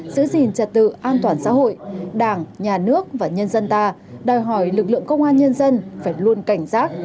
giữ gìn trật tự an toàn xã hội đảng nhà nước và nhân dân ta đòi hỏi lực lượng công an nhân dân phải luôn cảnh giác